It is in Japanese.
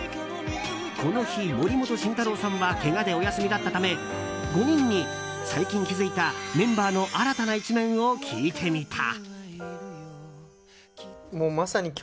この日、森本慎太郎さんはけがでお休みだったため５人に最近気づいたメンバーの新たな一面を聞いてみた。